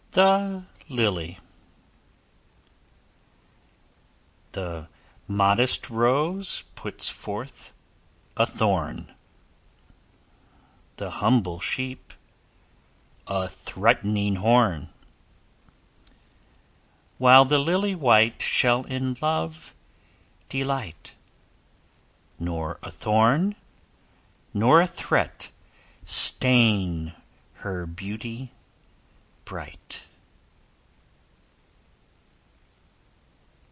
THE LILY The modest Rose puts forth a thorn, The humble sheep a threat'ning horn: While the Lily white shall in love delight, Nor a thorn nor a threat stain her beauty bright.